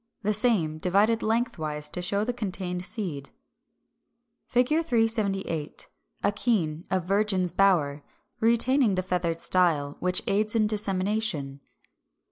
377. The same, divided lengthwise, to show the contained seed.] [Illustration: Fig. 378. Akene of Virgin's bower, retaining the feathered style, which aids in dissemination.